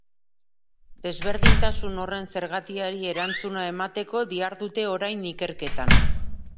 Desberdintasun horren zergatiari erantzuna emateko dihardute orain ikerketan.